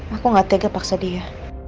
aku gak tega paksa dia